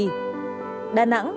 đà nẵng một số địa phương ở quảng nam